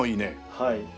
はい。